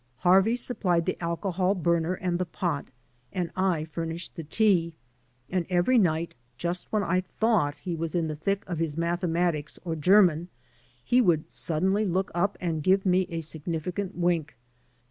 Harvey supplied the alcohol burner and the pot and I furnished the tea; and every night, just when I thought he was in the thick of his mathematics or German, he would suddenly look up and give me a significant wink.